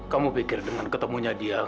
kamu pikir dengan ketemunya dia